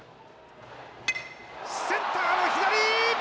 センターの左！